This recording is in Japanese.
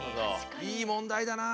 いい問題だな。